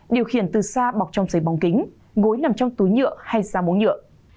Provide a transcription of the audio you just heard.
điều khiển từ xa bọc trong giấy bóng kính gối nằm trong túi nhựa hay da bóng nhựa